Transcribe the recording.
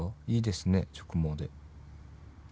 いいですね直毛で。